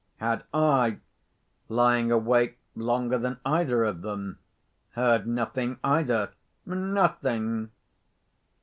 Had I, lying awake longer than either of them, heard nothing either? Nothing!